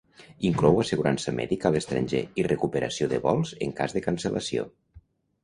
Inclou assegurança mèdica a l'estranger, i recuperació de vols en cas de cancel·lació.